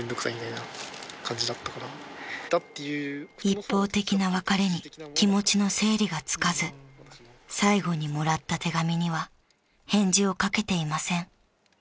［一方的な別れに気持ちの整理がつかず最後にもらった手紙には返事を書けていません］